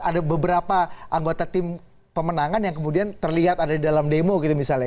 ada beberapa anggota tim pemenangan yang kemudian terlihat ada di dalam demo gitu misalnya